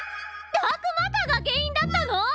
ダークマターが原因だったの？